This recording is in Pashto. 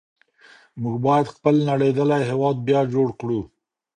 موږ بايد خپل نړېدلی هېواد بيا جوړ کړو.